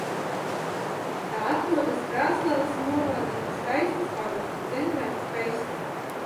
Tā atrodas Krāslavas novada Skaistas pagasta centrā Skaistā.